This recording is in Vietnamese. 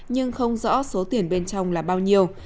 nhưng không rõ số tiền bên trong là bao nhiêu